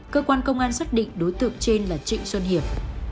cơ quan công an xác định đối tượng trên là trịnh xuân hiệp